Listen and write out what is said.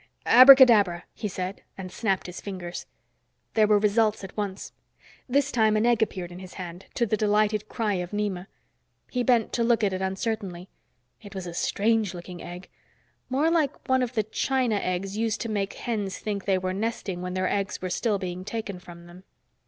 "Abracadabra!" he said, and snapped his fingers. There were results at once. This time an egg appeared in his hand, to the delighted cry of Nema. He bent to look at it uncertainly. It was a strange looking egg more like one of the china eggs used to make hens think they were nesting when their eggs were still being taken from them.